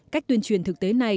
cách tuyên truyền thực tế này